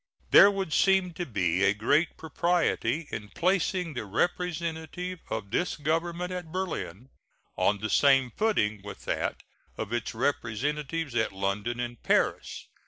There would seem to be a great propriety in placing the representative of this Government at Berlin on the same footing with that of its representatives at London and Paris.